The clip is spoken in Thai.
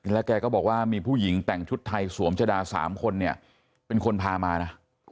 แล้วแกก็บอกว่ามีผู้หญิงแต่งชุดไทยสวมชะดา๓คนเนี่ยเป็นคนพามานะ